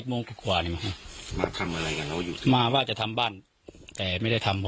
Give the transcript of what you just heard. สอบมันเยอะแล้วนะตั้งแต่ที่เลข